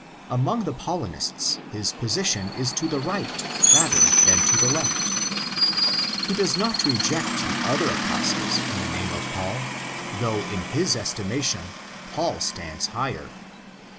Among the Paulinists his position is to the right rather than to the left. He does not reject the other Apostles in the name of Paul, though in his estima tion Paul stands higher.